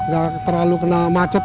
tidak terlalu kena macet